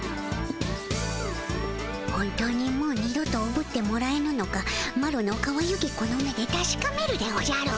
本当にもう二度とおぶってもらえぬのかマロのかわゆきこの目でたしかめるでおじゃる。